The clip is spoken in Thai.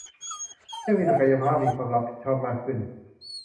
ให้มีศักยภาพมีความรับผิดชอบมากขึ้น